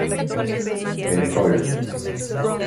El Col.